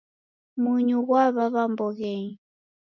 Munyu ghwaw'aw'a mboghenyi